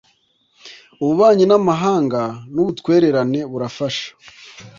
ububanyi n ‘amahanga n ‘ubutwererane burafasha.